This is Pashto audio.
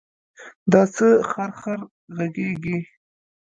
دا څه خرخر غږېږې.